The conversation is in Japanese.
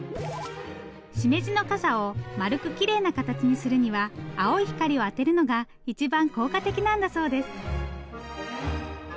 しめじの傘を丸くきれいな形にするには青い光を当てるのが一番効果的なんだそうです。